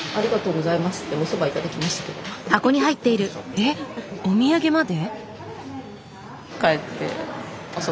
えっお土産まで？